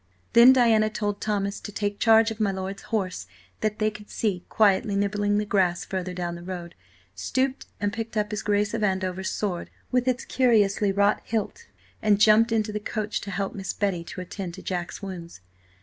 Then Diana told Thomas to take charge of my lord's horse that they could see, quietly nibbling the grass further down the road, stooped and picked up his Grace of Andover's sword, with its curiously wrought hilt, and jumped into the coach to help Miss Betty to attend to Jack's wounds.